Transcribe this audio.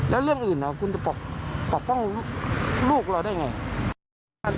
แล้วเรื่องอื่นคุณจะปกป้องลูกเราได้ไง